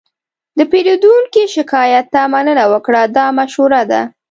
د پیرودونکي شکایت ته مننه وکړه، دا مشوره ده.